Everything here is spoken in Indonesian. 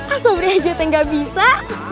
asom reja tenggak bisa